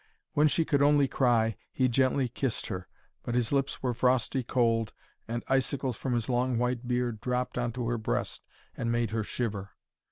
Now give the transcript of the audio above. When she could only cry, he gently kissed her. But his lips were frosty cold, and icicles from his long white beard dropped on to her breast and made her shiver.